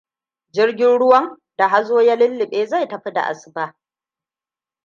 Jirgin ruwan, da hazo ya lullube, zai tafi da asuba.